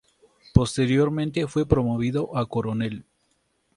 Posteriormente fue promovido a coronel.